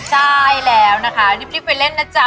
ใช่แล้วนะคะวันนี้พี่ไปเล่นน่ะจ๊ะ